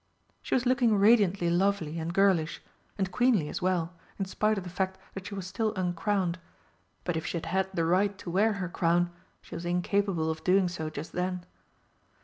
She was looking radiantly lovely and girlish and queenly as well, in spite of the fact that she was still uncrowned. But if she had had the right to wear her crown, she was incapable of doing so just then.